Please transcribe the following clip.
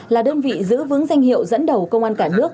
là đơn vị giữ vững danh hiệu dẫn đầu công an cả nước